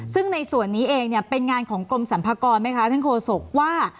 ซึ่งในส่วนนี้เองเนี่ยเป็นงานของกรมสรรพากรไหมคะท่านโฆษกว่า